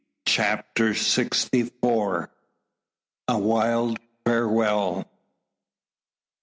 CHAPTER SIXTY FOUR. A WILD FAREWELL.